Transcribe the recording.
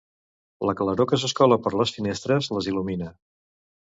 La claror que s'escola per les finestres les il·lumina.